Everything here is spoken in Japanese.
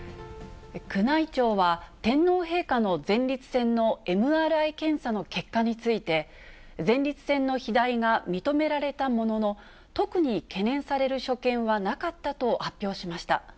宮内庁は、天皇陛下の前立腺のＭＲＩ検査の結果について、前立腺の肥大が認められたものの、特に懸念される所見はなかったと発表しました。